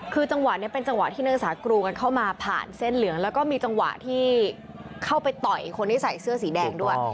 คือจังหวะนี้เป็นจังหวะที่นางสากรูกันเข้ามาผ่านเส้นเหลืองแล้วก็มีจังหวะที่เข้าไปต่อยคนที่ใส่เสื้อสีแดงด้วย